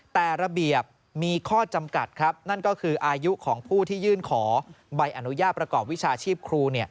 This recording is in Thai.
แต่ระเบียบมีข้อจำกัดครับนั่นก็คืออายุของผู้ที่ยื่นขอใบอนุญาตประกอบวิชาชีพครู